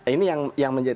ini yang menjadi